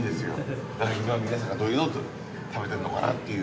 皆さんどういうの食べてるのかなっていう。